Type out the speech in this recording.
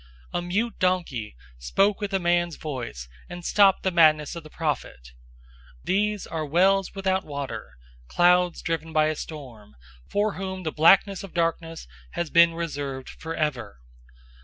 A mute donkey spoke with a man's voice and stopped the madness of the prophet. 002:017 These are wells without water, clouds driven by a storm; for whom the blackness of darkness has been reserved forever.